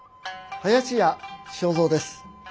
林家正蔵です。